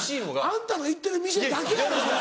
あんたの行ってる店だけやろそれ。